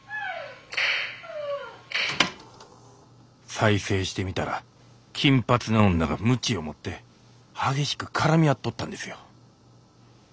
再生してみたら金髪の女が鞭を持って激しく絡み合っとったんですよ。